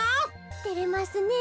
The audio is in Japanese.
てれますねえ。